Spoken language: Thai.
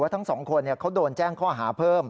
ทั้งสองคนเขาโดนแจ้งข้อหาเพิ่ม